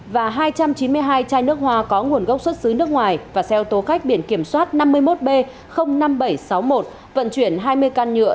và hai trăm chín mươi hai chai nước hoa có nguồn gốc xuất xứ nước ngoài và xe ô tô khách biển kiểm soát năm mươi một b năm nghìn bảy trăm sáu mươi một vận chuyển hai mươi can nhựa